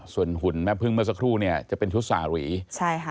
ส่วนหุ่นแม่พึ่งเมื่อสักครู่เนี่ยจะเป็นชุดสารีใช่ค่ะ